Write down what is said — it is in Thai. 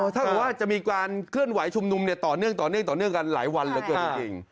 ถ้าหรือว่าจะมีการเคลื่อนไหวชุมนุมต่อเนื่องกันหลายวันหรือเกือบตัวเอง